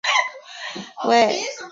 为现任台湾女科技人学会副理事长。